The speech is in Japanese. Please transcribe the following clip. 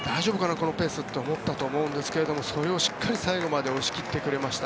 このペースと思ったと思うんですがそれをしっかり最後まで押し切ってくれました。